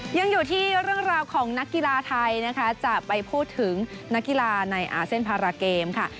ยังอยู่ที่เรื่องราวของนักกีฬาไทยนะคะจะไปพูดถึงนักกีฬาในอาเซียนพาราเกมค่ะ